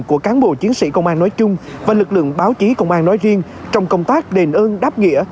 của cán bộ chiến sĩ công an nói chung và lực lượng báo chí công an nói riêng trong công tác đền ơn đáp nghĩa